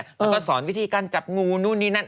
แล้วก็สอนวิธีการจับงูนู่นนี่นั่น